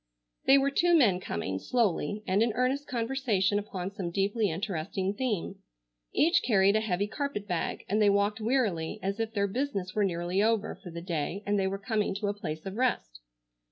They were two men coming, slowly, and in earnest conversation upon some deeply interesting theme. Each carried a heavy carpet bag, and they walked wearily, as if their business were nearly over for the day and they were coming to a place of rest.